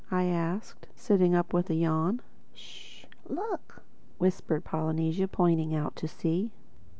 I asked sitting up with a yawn. "Sh!—Look!" whispered Polynesia pointing out to sea.